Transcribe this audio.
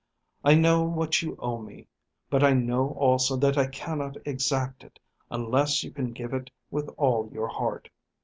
I know what you owe me, but I know also that I cannot exact it unless you can give it with all your heart.